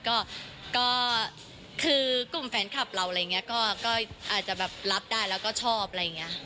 ก็คือกลุ่มแฟนคลับเราอะไรอย่างนี้ก็อาจจะแบบรับได้แล้วก็ชอบอะไรอย่างนี้